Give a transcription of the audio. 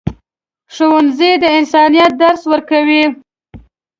ښوونځی د انسانیت درس ورکوي.